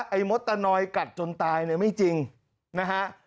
ไอ้มดตะนอยกัดจนตายไม่จริงนะครับ